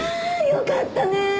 よかったねえ。